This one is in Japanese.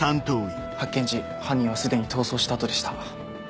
発見時犯人は既に逃走した後でした。